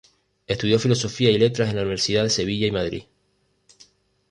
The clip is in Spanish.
Estudió Filosofía y Letras en la Universidades de Sevilla y Madrid.